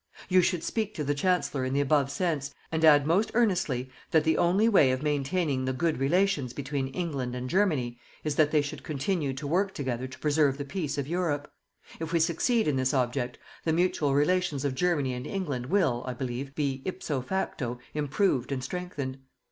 You should speak to the Chancellor in the above sense, and add most earnestly that the only way of maintaining the good relations between England and Germany is that they should continue to work together to preserve the peace of Europe; if we succeed in this object, the mutual relations of Germany and England will, I believe, be =ipso facto= improved and strengthened.